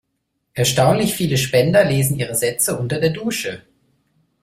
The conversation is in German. Erstaunlich viele Spender lesen ihre Sätze unter der Dusche.